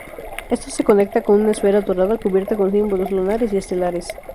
Esto se conecta con una esfera dorada cubierta con símbolos lunares y estelares.